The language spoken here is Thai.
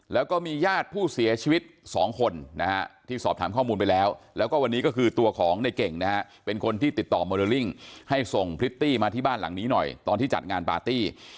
แล้วก็มีญาติผู้เสียชีวิต๒คนนะฮะที่สอบถามข้อมูลไปแล้วแล้วก็วันนี้ก็คือตัวของในเก่งนะฮะเป็นคนที่ติดต่อโมเดลลิ่งให้ส่งพริตตี้มาที่บ้านหลังนี้หน่อยตอนที่จัดงานปาร์ตี้